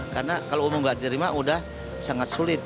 karena kalau umum gak diterima udah sangat sulit